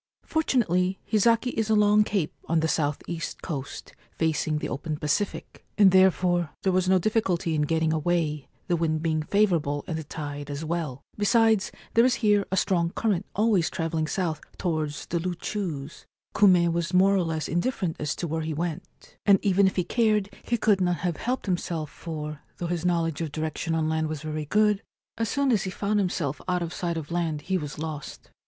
Fortunately, Hizaki is a long cape on the S.E. coast, facing the open Pacific, and therefore there was no difficulty in getting away, the wind being favourable and the tide as well ; besides, there is here a strong current always travelling south towards the Loochoos. Kume was more or less indifferent as to where he went, and even if he had cared he could not 169 22 Ancient Tales and Folklore of Japan have helped himself, for, though his knowledge of direction on land was very good, as soon as he found himself out of sight of land he was lost.